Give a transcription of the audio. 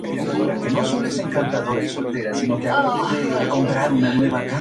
Uno de sus principales mercados es Rusia.